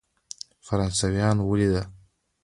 فرانسویان ولیدل.